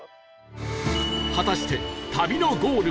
果たして旅のゴール